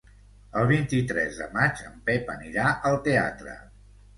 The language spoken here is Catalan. El vint-i-tres de maig en Pep anirà al teatre.